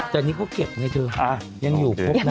ถ้านี้เขาเก็บไหนเธอยังอยู่พบหรือเปล่า